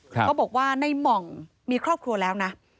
เขาบอกว่าในหม่องมีครอบครัวแล้วนะ